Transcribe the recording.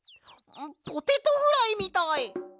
ポテトフライみたい！